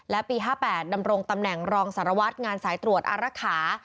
และปี๕๘ดำรงตำแหน่งรองสารวัตรงานสายตรวจอารักษา